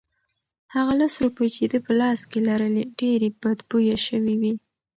هغه لس روپۍ چې ده په لاس کې لرلې ډېرې بدبویه شوې وې.